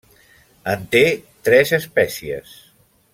En té tres espècies.